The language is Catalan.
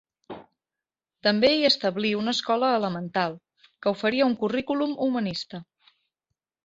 També hi establí una escola elemental, que oferia un currículum humanista.